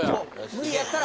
無理やったら。